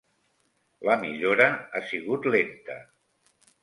La millora ha sigut lenta.